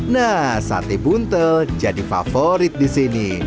nah sate buntel jadi favorit di sini